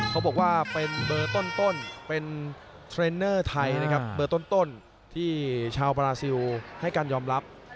เขาบอกว่าเป็นเบอร์ต้นเป็นเทรนเนอร์ไทยนะครับเบอร์ต้นที่ชาวบราซิลให้การยอมรับ